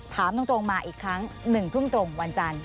ถามตรงมาอีกครั้ง๑ทุ่มตรงวันจันทร์